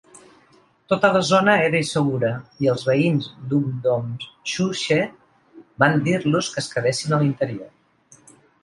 Tota la zona era insegura i els veïns d'Ungdomshuset van dir-los que es quedessin a l'interior.